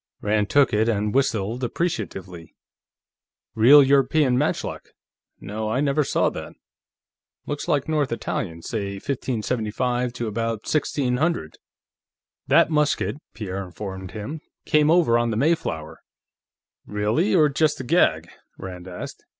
Rand took it and whistled appreciatively. "Real European matchlock; no, I never saw that. Looks like North Italian, say 1575 to about 1600." "That musket," Pierre informed him, "came over on the Mayflower." "Really, or just a gag?" Rand asked.